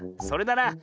それだな。